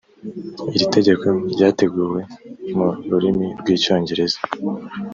iri tegeko ryateguwe mu rurimi rw icyongereza